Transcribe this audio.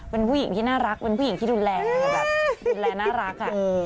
เป็นผู้หญิงที่น่ารักเป็นผู้หญิงที่ดูแลแบบดูแลน่ารัก